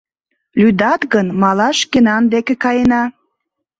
— Лӱдат гын, малаш шкенан деке каена.